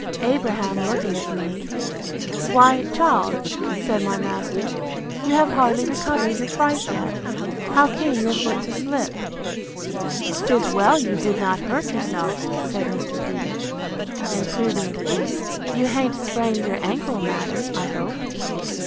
Abraham looking at me; Why, child, said my master, you have hardly recovered your fright yet: how came your foot to slip? 'Tis well you did not hurt yourself. Said Mr. Peters, improving the hint, You ha'n't sprained your ancle, madam, I hope.